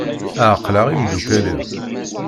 Ɛeqleɣ imeddukal-iw.